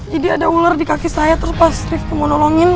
jadi ada ular di kaki saya terus pas rizky mau nolongin